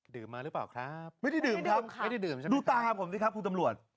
ดื่มมาหรือเปล่าครับไม่ได้ดื่มครับดูตามผมสิครับคุณตำรวจ